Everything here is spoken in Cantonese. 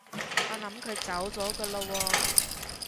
我諗佢走咗㗎喇喎